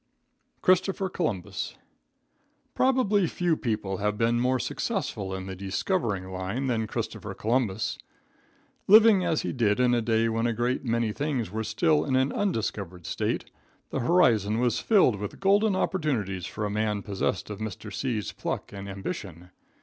Christopher Columbus. Probably few people have been more successful in the discovering line than Christopher Columbus. Living as he did in a day when a great many things were still in an undiscovered state, the horizon was filled with golden opportunities for a man possessed of Mr. C.'s pluck and ambition.